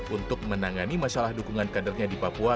untuk menangani masalah dukungan kadernya di papua